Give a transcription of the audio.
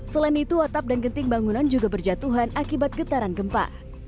selain itu atap dan genting bangunan juga berjatuhan akibat getaran gempa